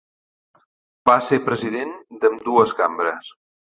Va ser president d'ambdues cambres.